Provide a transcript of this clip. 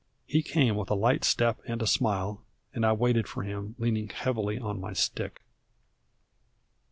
He came with a light step and a smile, and I waited for him, leaning heavily on my stick.